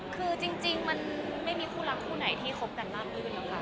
คือจริงมันไม่มีคู่รักคู่ไหนที่คบกันมากขึ้นนะคะ